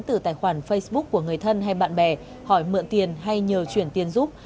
từ tài khoản facebook của người thân hay bạn bè hỏi mượn tiền hay nhờ chuyển tiền giúp